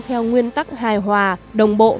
theo nguyên tắc hài hòa đồng bộ